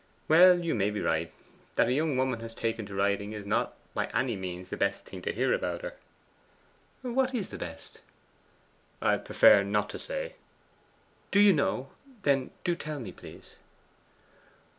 'Well, you may be right. That a young woman has taken to writing is not by any means the best thing to hear about her.' 'What is the best?' 'I prefer not to say.' 'Do you know? Then, do tell me, please.